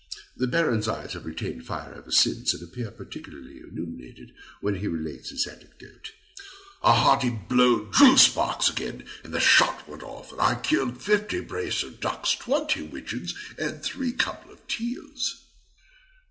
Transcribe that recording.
[The Baron's eyes have retained fire ever since, and appear particularly illuminated when he relates this anecdote.] A hearty blow drew sparks again; the shot went off, and I killed fifty brace of ducks, twenty widgeons, and three couple of teals.